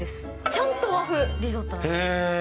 ちゃんと和風、リゾットなのに。